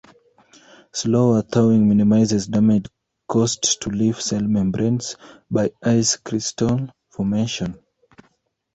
Slower thawing minimizes damage caused to leaf cell membranes by ice crystal formation.